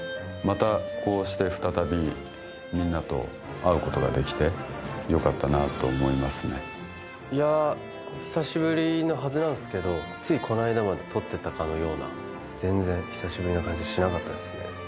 またこうして再びみんなと会うことができてよかったなと思いますねいや久しぶりのはずなんですけどついこの間まで撮ってたかのような全然久しぶりな感じしなかったですね